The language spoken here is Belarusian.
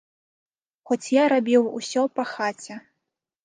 Хоць я рабіў усё па хаце.